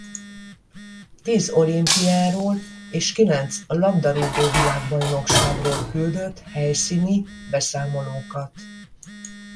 Tíz olimpiáról és kilenc labdarúgó-világbajnokságról küldött helyszíni beszámolókat.